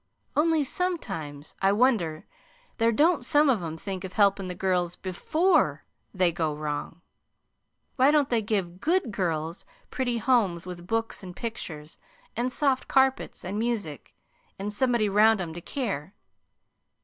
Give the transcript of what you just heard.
Only sometimes I wonder there don't some of 'em think of helpin' the girls BEFORE they go wrong. Why don't they give GOOD girls pretty homes with books and pictures and soft carpets and music, and somebody 'round 'em to care?